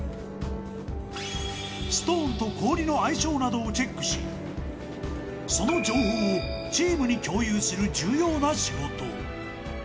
ストーンと氷の相性などをチェックし、その情報をチームに共有する重要な仕事。